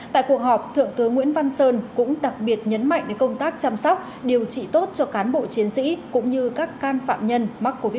tại cuộc họp thượng tướng nguyễn văn sơn cũng đặc biệt nhấn mạnh đến công tác chăm sóc điều trị tốt cho cán bộ chiến sĩ cũng như các can phạm nhân mắc covid một mươi chín